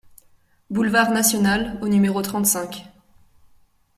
Boulevard National au numéro trente-cinq